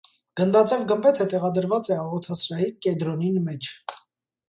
Գնդաձեւ գմբեթը տեղադրուած է աղոթասրահի կեդրոնին մէջ։